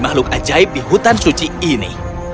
makhluk ajaib di hutan suci ini